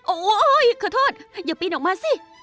โอ๊ยขอโทษอย่าปีนออกมาสิ